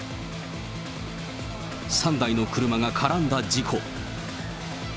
３台の車が絡んだ事故。